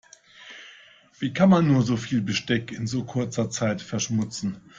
Wie kann man nur so viel Besteck in so kurzer Zeit verschmutzen?